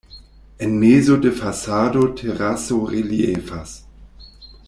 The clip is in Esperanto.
En mezo de fasado teraso reliefas.